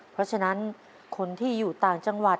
เพราะฉะนั้นคนที่อยู่ต่างจังหวัด